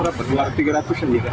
proyek apa ini pak